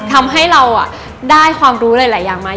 ทำให้เราได้ความรู้หลายอย่างมา